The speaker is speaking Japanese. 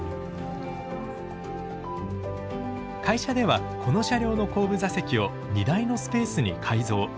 会社ではこの車両の後部座席を荷台のスペースに改造。